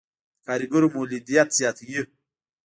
د کارګرو مولدیت زیاتوي.